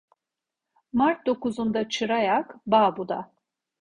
Mart dokuzunda çıra yak, bağ buda.